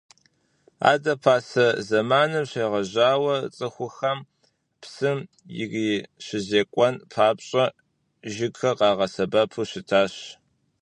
Адэ пасэ зэманым щегъэжьауэ цӏыхухэм псым ирищызекӏуэн папщӏэ жыгхэр къагъэсэбэпу щытащ.